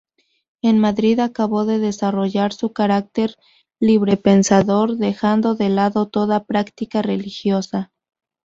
En Madrid acabó de desarrollar su carácter librepensador, dejando de lado toda práctica religiosa.